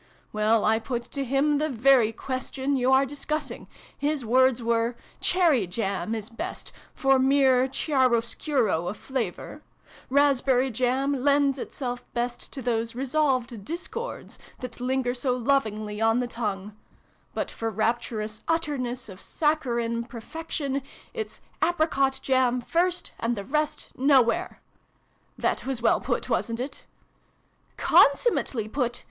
Well, I put to him the very question you are discussing. His words were l cherry yam is best, for mere chiaroscuro of flavour: raspberry jam lends itself best to those resolved discords that linger so lovingly on the tongue : but, for rapturous ittterness of saccharine perfection, it's apricot jam first and the rest nowhere !' That was well put, wasnt it ?"" Consummately put